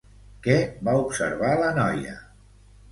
Què va observar la noia?